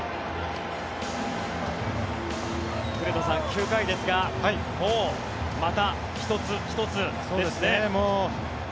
古田さん、９回ですがもう、また１つ１つですね。